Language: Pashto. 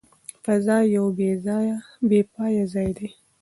فضا یو بې پایه ځای دی.